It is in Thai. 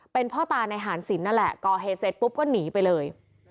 เป็นพ่อตาในหารศิลปนั่นแหละก่อเหตุเสร็จปุ๊บก็หนีไปเลย